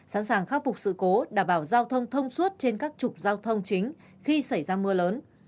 sẵn sàng khắc phục sự cố đảm bảo giao thông thông suốt trên các trục giao thông chính khi xảy ra mưa lớn